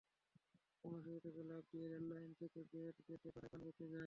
অন্য শিশুটি লাফ দিয়ে রেললাইন থেকে সরে যেতে পারায় প্রাণে বেঁচে যায়।